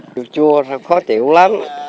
chua chua khó chịu lắm